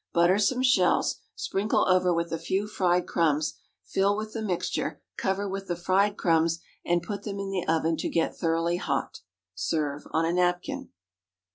Butter some shells, sprinkle over with a few fried crumbs, fill with the mixture, cover with the fried crumbs, and put them in the oven to get thoroughly hot. Serve on a napkin.